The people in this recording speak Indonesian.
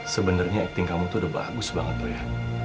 sebenernya acting kamu tuh udah bagus banget loh ya